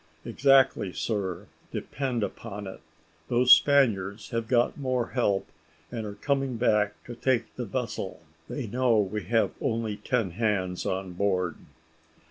"Exactly, sir; depend upon it, those Spaniards have got more help, and are coming back to take the vessel; they know we have only ten hands on board."